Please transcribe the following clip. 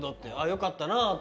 よかったなって思う。